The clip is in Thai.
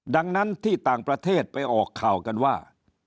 ดังนั้นที่ต่างประเทศไปออกข่าวกันว่า